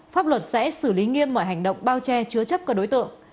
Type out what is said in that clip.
pháp luật sẽ xử lý nghiêm mọi hành động bao che chứa chấp các đối tượng